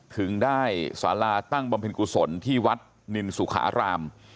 ถึงได้สาราตั้งบำเพ็ญกุศลที่วัดนินสุขาราม